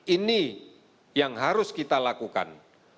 ini yang harus kita lakukan